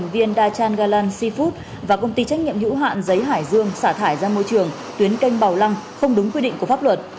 gachan galan seafood và công ty trách nhiệm hữu hạn giấy hải dương xả thải ra môi trường tuyến kênh bảo lăng không đúng quy định của pháp luật